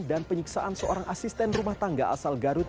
dan penyiksaan seorang asisten rumah tangga asal garut